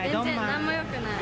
なんもよくない。